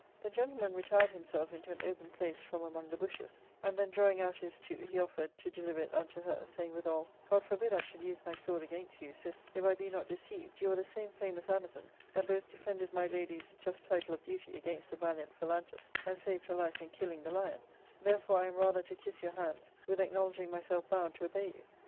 The gentleman retired himself into an open place from among the bushes, and then drawing out his too, he offered to deliver it unto her, saying withal, " God forbid I should use my sword against you, sith, if I be not deceived, you ^ are the same famous Amazon that both defended my lady's just title of beauty against the valiant Phalantus, and saved her life in killing the lion ; therefore I am rather to kiss your hands, with acknowledging myself bound to obey you."